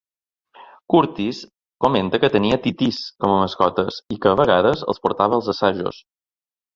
Curtiss comenta que tenia titís com a mascotes i que, a vegades, els portava als assajos.